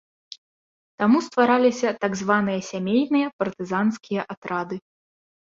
Таму ствараліся так званыя сямейныя партызанскія атрады.